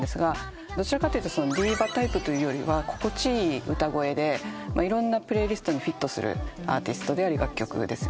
どちらかというとディーバタイプというよりは心地いい歌声でいろんなプレイリストにフィットするアーティストであり楽曲ですね。